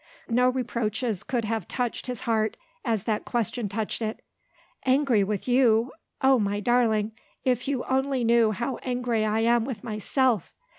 No reproaches could have touched his heart as that question touched it. "Angry with you? Oh, my darling, if you only knew how angry I am with myself!